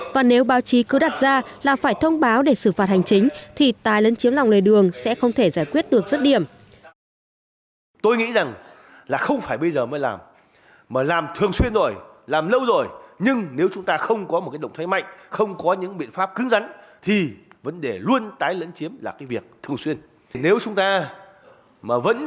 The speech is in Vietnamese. và nếu báo chí cứ đặt ra là phải thông báo để xử phạt hành chính thì tái lấn chiếm lòng lời đường sẽ không thể giải quyết được rất điểm